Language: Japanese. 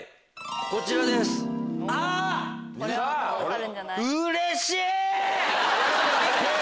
こちらですあっ！